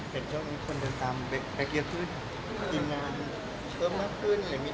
เห็นช่วงมีคนเดินตามแบบเกลียดขึ้น